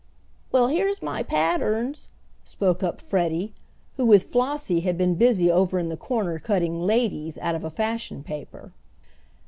"Well, here's my patterns," spoke up Freddie, who with Flossie had been busy over in the corner cutting "ladies" out of a fashion paper.